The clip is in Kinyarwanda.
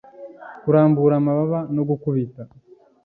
kurambura amababa no gukubita.